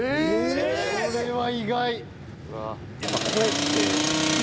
これは意外。